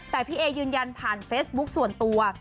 แต่พี่เอยืนยันผ่านเฟซบุ๊คส่วนตัว